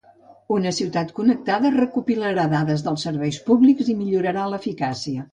Una ciutat connectada recopilarà dades dels serveis públics i millorarà l'eficiència.